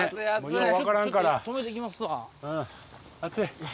よう分からんから。